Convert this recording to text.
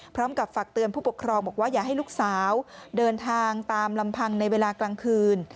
ฝากเตือนผู้ปกครองบอกว่าอย่าให้ลูกสาวเดินทางตามลำพังในเวลากลางคืน